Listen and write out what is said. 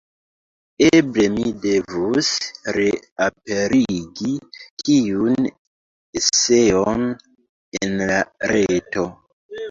Eble mi devus reaperigi tiun eseon en la reto.